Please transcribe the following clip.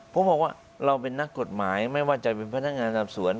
ผมบอกว่าเราเป็นนักกฎหมายไม่ว่าจะเป็นพนักงานสอบสวน